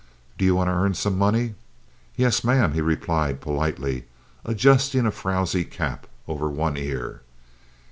"Do you want to earn some money?" "Yes, ma'am," he replied politely, adjusting a frowsy cap over one ear.